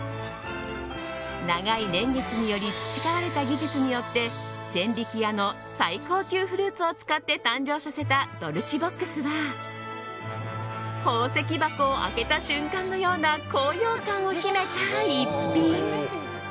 長い年月により培われた技術によって千疋屋の最高級フルーツを使って誕生させたドルチ・ボックスは宝石箱を開けた瞬間のような高揚感を秘めた逸品。